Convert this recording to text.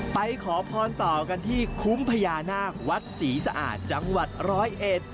ขอพรต่อกันที่คุ้มพญานาควัดศรีสะอาดจังหวัดร้อยเอ็ด